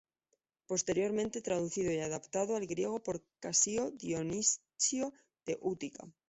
Posteriormente traducido y adaptado al griego por Casio Dionisio de Útica.